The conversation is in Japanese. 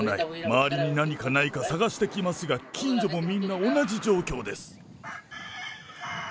周りに何かないか探してきますが、近所もみんな同じ状況です。